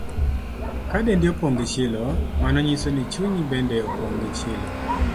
Ka dendi opong' gi chilo, mano nyiso ni chunyi bende opong' gi chilo.